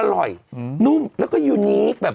อร่อยนุ่มแล้วก็ยูนีคแบบ